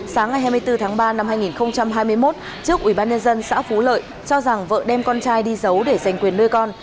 sáng ngày hai mươi bốn tháng ba năm hai nghìn hai mươi một trước ubnd xã phú lợi cho rằng vợ đem con trai đi giấu để giành quyền nuôi con